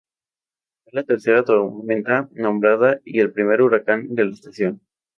Fue la tercera tormenta nombrada y el primer huracán de la estación.